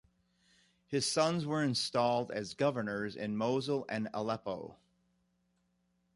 His sons were installed as governors in Mosul and Aleppo.